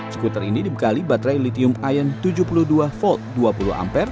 sekuter ini dibekali baterai litium ion tujuh puluh dua v dua puluh a